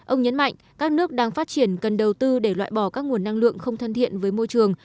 ông nhấn mạnh các nước đang phát triển cần đầu tư để loại bỏ các nguồn năng lượng không thân thiện với môi trường